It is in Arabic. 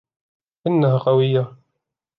إنها قوية.